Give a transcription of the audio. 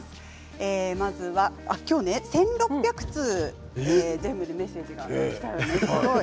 今日は１６００通全部でメッセージがきたんです。